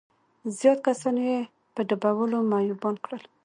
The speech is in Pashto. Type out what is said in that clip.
زيات کسان يې په ډبولو معيوبان کړل.